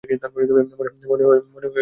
মনে হয় বুঝেছি আমি।